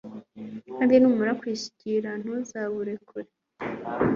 kandi numara kubushyikira, ntuzaburekure